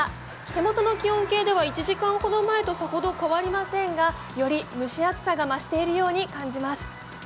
手元の気温計では１時間ほど前とさほど変わりませんが、より蒸し暑さが増しているように感じます。